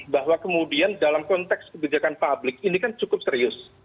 bahwa kemudian dalam konteks kebijakan publik ini kan cukup serius